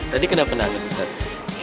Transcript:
tadi kenapa nangis ustadz